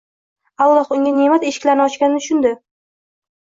Alloh unga ne`mat eshiklarini ochganini tushundi